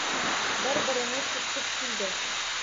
Bir-birini turtib kuldi.